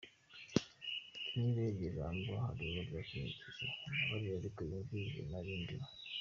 Ati "Niba iryo ijambo hari uwo ryakomerekeje ambabarire ariko yumve ibihe nari ndimo.